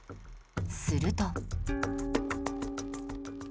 すると